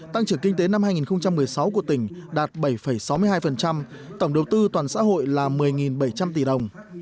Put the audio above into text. tăng trưởng kinh tế năm hai nghìn một mươi sáu của tỉnh đạt bảy sáu mươi hai tổng đầu tư toàn xã hội là một mươi bảy trăm linh tỷ đồng